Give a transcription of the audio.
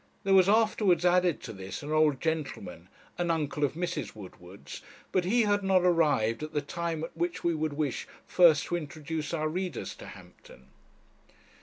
There was afterwards added to this an old gentleman, an uncle of Mrs. Woodward's, but he had not arrived at the time at which we would wish first to introduce our readers to Hampton.